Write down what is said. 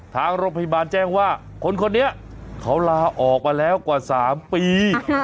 ทางโรงพยาบาลแจ้งว่าคนคนนี้เขาลาออกมาแล้วกว่า๓ปี